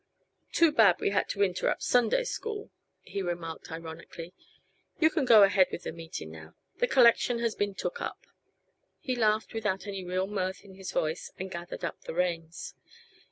"Too bad we had to interrupt Sunday school," he remarked ironically. "You can go ahead with the meetin' now the collection has been took up." He laughed without any real mirth in his voice and gathered up the reins.